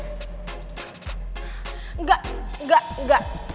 enggak enggak enggak